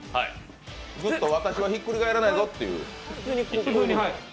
グッと私はひっくり返らないぞって。